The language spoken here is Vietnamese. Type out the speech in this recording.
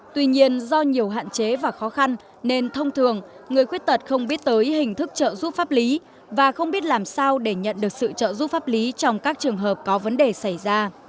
tuy nhiên do nhiều hạn chế và khó khăn nên thông thường người khuyết tật không biết tới hình thức trợ giúp pháp lý và không biết làm sao để nhận được sự trợ giúp pháp lý trong các trường hợp có vấn đề xảy ra